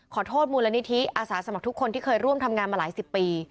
มูลนิธิอาสาสมัครทุกคนที่เคยร่วมทำงานมาหลายสิบปี